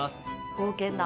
冒険だ。